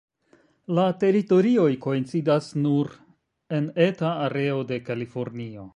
La teritorioj koincidas nur en eta areo de Kalifornio.